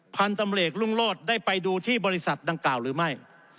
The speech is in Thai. พันธมเศรษฐ์ลุงโลศได้ไปดูที่บริษัทดังกล่าวหรือไม่